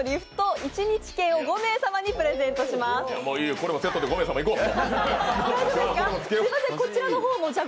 これセットで５名様いこう。